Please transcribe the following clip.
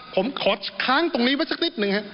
ผมขอค้างตรงนี้ไว้สักนิดนึงฮะ